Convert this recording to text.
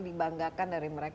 kita tahu sekarang